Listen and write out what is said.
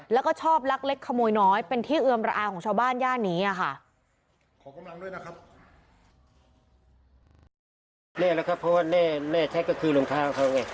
แล้วก็ชอบลักเล็กขโมยน้อยเป็นที่เอือมระอาของชาวบ้านย่านนี้ค่ะ